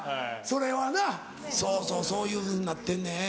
そうそうそういうふうになってんねん。